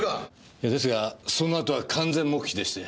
いやですがそのあとは完全黙秘でして。